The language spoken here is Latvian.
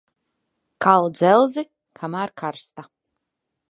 Kal dzelzi, kamēr karsta.